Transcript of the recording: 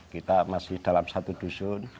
kita masih dalam satu dusun